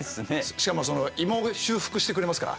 しかも胃も修復してくれますから。